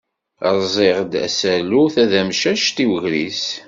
Rẓiɣ-d asalu tadamcact i wegris.